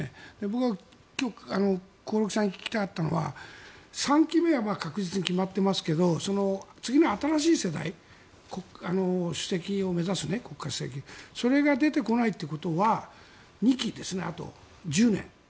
僕は興梠さんに聞きたかったのが３期目は確実に決まってますけど次の新しい世代ね国家主席を目指すそれが出てこないということは２期ですね、あと１０年。